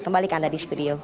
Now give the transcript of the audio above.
kembali ke anda di studio